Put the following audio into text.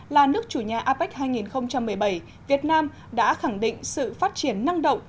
là nước chủ nhà apec hai nghìn một mươi bảy việt nam đã khẳng định sự phát triển năng động